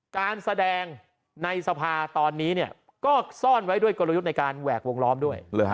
การแสดงในสภาตอนนี้ก็ซ่อนไว้ด้วยกลยุทธ์ในการแหวกวงล้อมด้วย